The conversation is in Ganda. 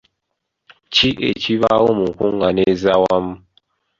Ki ekibaawo mu nkungaana ez'awamu?